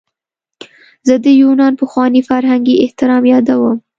زه د یونان پخوانی فرهنګي احترام رایادوم.